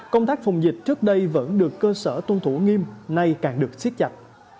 công tác phòng dịch trước đây vẫn được cơ sở tuân thủ nghiêm nay càng được siết chặt